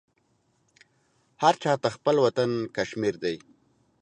هر چاته خپل وطن کشمير دى.